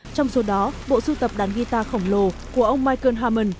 trong số đó bộ sưu tập đàn guitar khổng lồ của ông michael haman